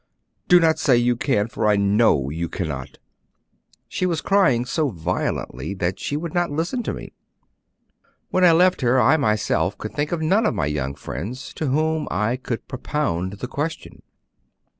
Do not say you can, for I know you cannot.' She was crying so violently that she would not listen to me. When I left her, I myself could think of none of my young friends to whom I could propound the question.